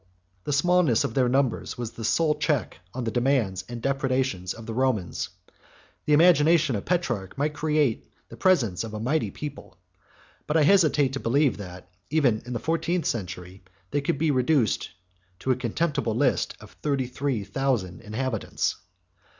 36 The smallness of their numbers was the sole check on the demands and depredations of the Romans. The imagination of Petrarch might create the presence of a mighty people; 37 and I hesitate to believe, that, even in the fourteenth century, they could be reduced to a contemptible list of thirty three thousand inhabitants.